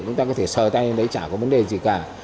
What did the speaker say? chúng ta có thể sờ tay đấy chả có vấn đề gì cả